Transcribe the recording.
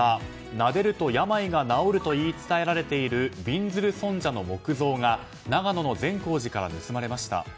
なでると病が治ると言い伝えられているびんずる尊者像の木像が長野の善光寺から盗まれました。